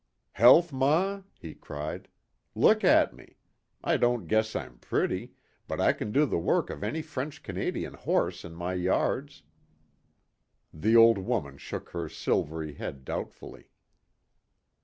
"Health, ma?" he cried. "Look at me. I don't guess I'm pretty, but I can do the work of any French Canadian horse in my yards." The old woman shook her silvery head doubtfully.